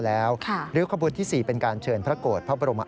แล้วขบวนที่๔เป็นการเชินพระโกธพระบรมอาธิ